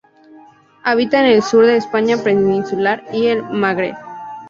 Habita en el sur de la España peninsular y el Magreb.